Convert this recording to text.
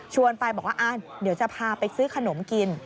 ไปบอกว่าเดี๋ยวจะพาไปซื้อขนมกิน